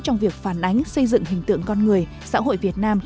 trong việc phản ánh xây dựng hình tượng của các hình ảnh